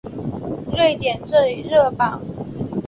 瑞典最热榜。